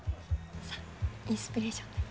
さあインスピレーションで。